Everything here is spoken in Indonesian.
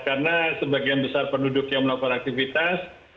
karena sebagian besar penduduk yang melakukan aktivitas